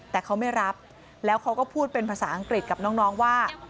แต่เขาไม่รับแล้วเขาก็พูดเป็นภาษาอังกฤษกับน้องว่า